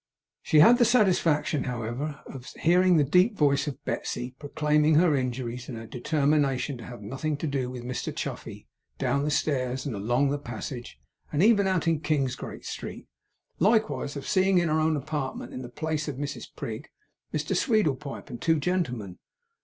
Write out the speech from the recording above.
She had the satisfaction, however, of hearing the deep voice of Betsey, proclaiming her injuries and her determination to have nothing to do with Mr Chuffey, down the stairs, and along the passage, and even out in Kingsgate Street. Likewise of seeing in her own apartment, in the place of Mrs Prig, Mr Sweedlepipe and two gentlemen.